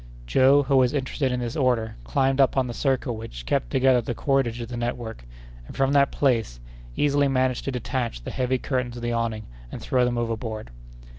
Joe, who was interested in this order, climbed up on the circle which kept together the cordage of the network, and from that place easily managed to detach the heavy curtains of the awning and throw them overboard.